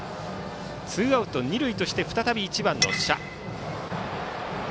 ツーアウト、二塁として再び１番の謝。